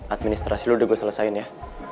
administrasi lo udah gue selesaiin ya